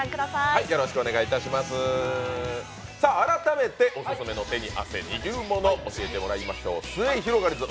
改めてオススメの手に汗握るものを教えてもらいましょう。